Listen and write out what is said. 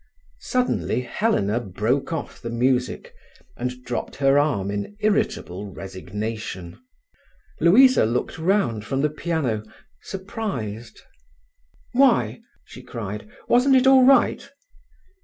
Suddenly Helena broke off the music, and dropped her arm in irritable resignation. Louisa looked round from the piano, surprised. "Why," she cried, "wasn't it all right?"